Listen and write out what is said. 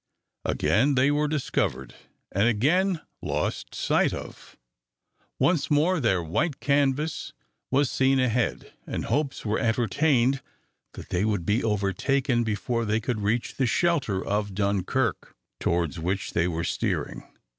Again they were discovered, and again lost sight of. Once more their white canvas was seen ahead, and hopes were entertained that they would be overtaken before they could reach the shelter of Dunkirk, towards which they were steering.